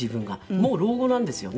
もう老後なんですよね。